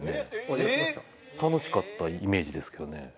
楽しかったイメージですけどね。